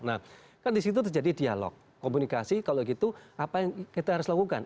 nah kan disitu terjadi dialog komunikasi kalau gitu apa yang kita harus lakukan